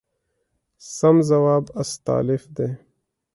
سم ځواب استالف دی.